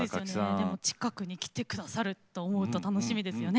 でも近くに来て下さると思うと楽しみですよね。